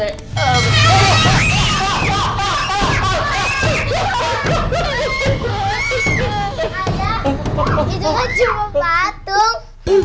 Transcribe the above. ayah itu kan cuma patung